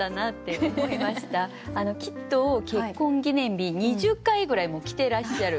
きっと結婚記念日２０回ぐらいもう来てらっしゃる。